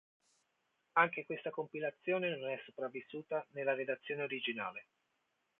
Anche questa compilazione non è sopravvissuta nella redazione originale.